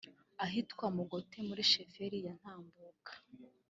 ahitwa Mugote muri sheferi ya Ntambuka